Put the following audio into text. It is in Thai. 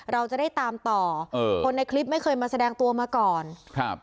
เราจะได้ตามต่อเออคนในคลิปไม่เคยมาแสดงตัวมาก่อนครับ